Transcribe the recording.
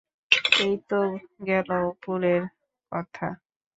এই তো গেল উপরের কথা।